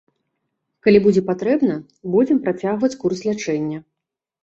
Калі будзе патрэбна, будзем працягваць курс лячэння.